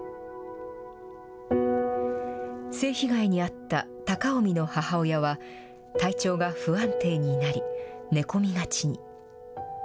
性被害に遭った、貴臣の母親は、体調が不安定になり、寝込みがちに。